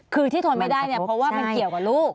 คือที่ทนไม่ได้เนี่ยเพราะว่ามันเกี่ยวกับลูก